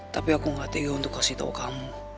tapi aku gak tega untuk kasih tahu kamu